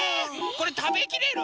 これたべきれる？